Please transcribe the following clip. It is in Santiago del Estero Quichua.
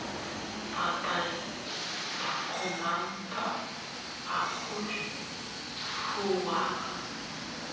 patay taqomanta akush ruwaq